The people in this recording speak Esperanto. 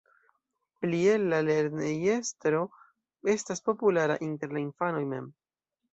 Plie, la lernejestro estas populara inter la infanoj mem.